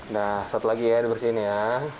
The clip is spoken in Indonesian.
nah satu lagi ya dibersihin ya